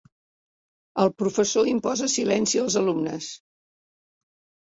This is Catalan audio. El professor imposa silenci als alumnes.